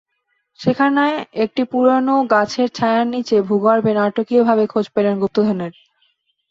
সেখানে একটি পুরোনো গাছের ছায়ার নিচে ভূগর্ভে নাটকীয়ভাবে খোঁজ পেলেন গুপ্তধনের।